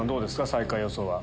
最下位予想は。